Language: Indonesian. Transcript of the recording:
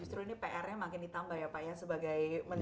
justru ini pr nya makin ditambah ya pak ya sebagai menteri